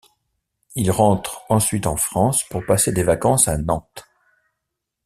Il rentre ensuite en France pour passer des vacances à Nantes.